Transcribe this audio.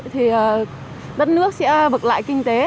thì đất nước sẽ bực lại kinh tế